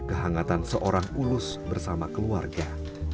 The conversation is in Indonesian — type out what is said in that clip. kehangatan seorang ulus bersama keluarga